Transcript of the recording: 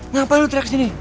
ngapain lo teriak sini